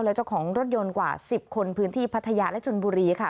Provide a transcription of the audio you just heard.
และเจ้าของรถยนต์กว่า๑๐คนพื้นที่พัทยาและชนบุรีค่ะ